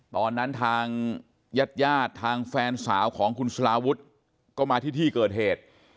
วันนั้นทางหญ้าททางแฟนสาวของคุณสลาวุธก็มาที่ที่เกิดเหตุ